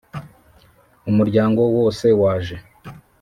Umuryango wose waje